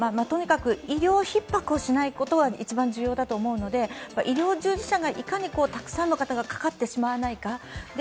とにかく医療ひっ迫をしないこひとが一番重要だと思うので、医療従事者が、いかにたくさんの方がかかってしまわないか。